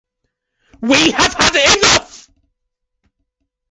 We Have Had Enough!